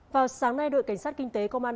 vào sáng nay đội cảnh sát kinh tế công an